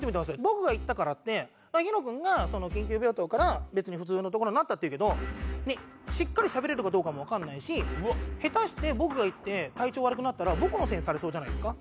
僕が行ったからってＨＩＲＯくんが緊急病棟から普通の所になったっていうけどしっかりしゃべれるかどうかもわかんないし下手して僕が行って体調悪くなったら僕のせいにされそうじゃないですか。